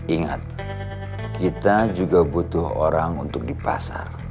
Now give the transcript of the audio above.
ingat kita juga butuh orang untuk di pasar